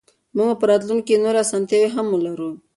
موږ به په راتلونکي کې نورې اسانتیاوې هم ولرو.